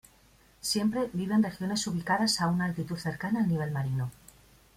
Siempre vive en regiones ubicadas a una altitud cercana al nivel marino.